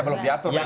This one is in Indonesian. belum diatur memang